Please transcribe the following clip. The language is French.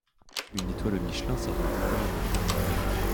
Une étoile au Michelin ça aurait été plus vendeur